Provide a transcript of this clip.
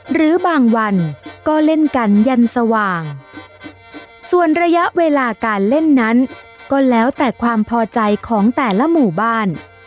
หรือบางวันก็เล่นกันยันสว่างส่วนระยะเวลาการเล่นนั้นก็แล้วแต่ความพอใจของแต่ละหมู่บ้าน